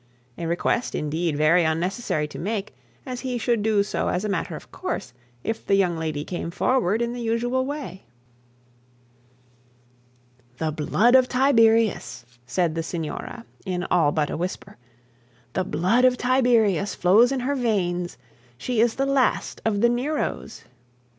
a request, indeed, very unnecessary to make, as he should do so as a matter of course, if the young lady came forward in the usual way. 'The blood of Tiberius,' said the signora, in all but a whisper; 'the blood of Tiberius flows in her veins. She is the last of the Neros!'